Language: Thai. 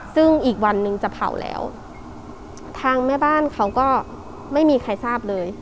ซึ่งอีกวันนึงจะเผาแล้วทางแม่บ้านเขาก็ไม่มีใครทราบเลย